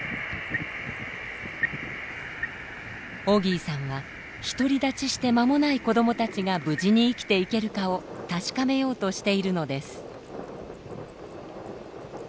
オギーさんは独り立ちして間もない子どもたちが無事に生きていけるかを確かめようとしているのです。